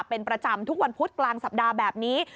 เป็นประจำทุกวันพุธกลางสัปดาห์แบบนี้